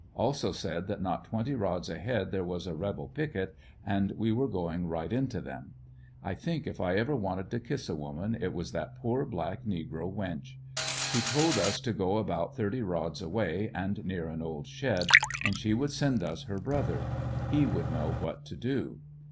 Also said that not twenty rods ahead there was a rebel picket, and w^e were going right into them. I think if I ever wanted to kiss a woman, it w^as that poor, black, negro wench. She told us to go about thirty rods away and near an old shed, and she w^ould send us her brother; he would know what to do.